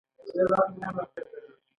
دا اضافي پیسې د اضافي ارزښت په نوم یادېږي